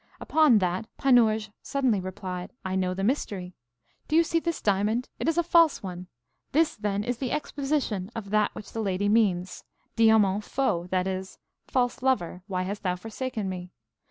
Upon that Panurge suddenly replied, I know the mystery. Do you see this diamond? It is a false one. This, then, is the exposition of that which the lady means, Diamant faux, that is, false lover, why hast thou forsaken me?